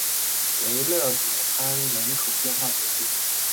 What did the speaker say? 维勒古安人口变化图示